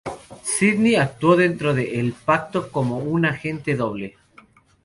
Sydney actuó dentro de El Pacto como una agente doble.